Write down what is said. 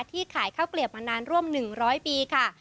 ขายข้าวเกลียบมานานร่วม๑๐๐ปีค่ะ